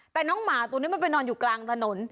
แต่น้องหมาตัวนี้มันไปนอนอยู่กลางถนน